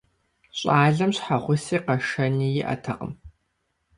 Щӏалэм щхьэгъуси къэшэни иӀэтэкъым.